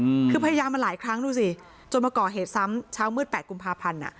อืมคือพยายามมาหลายครั้งดูสิจนมาก่อเหตุซ้ำเช้ามืดแปดกุมภาพันธ์อ่ะ